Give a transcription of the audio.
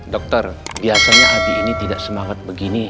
dokter biasanya adik ini tidak semangat begini